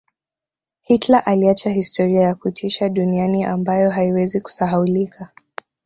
Hitler aliacha historia ya kutisha duniani ambayo haiwezi kusahaulika